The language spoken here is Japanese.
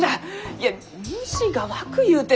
いや虫がわくゆうて。